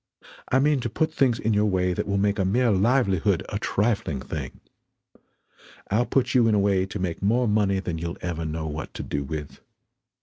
I mean to put things in your way than will make a mere livelihood a trifling thing. I'll put you in a way to make more money that you'll ever know what to do with.